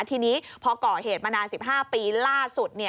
ทีนี้พอก่อเหตุมานาน๑๕ปีล่าสุด